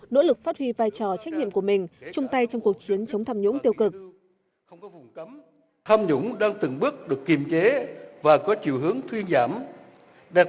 nỗ lực phát huy vai trò trách nhiệm của mình chung tay trong cuộc chiến chống tham nhũng tiêu cực